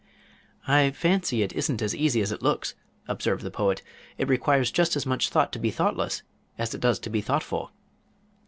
"I fancy it isn't as easy as it looks," observed the Poet. "It requires just as much thought to be thoughtless as it does to be thoughtful."